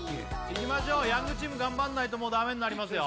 いきましょうヤングチーム頑張んないともうダメになりますよ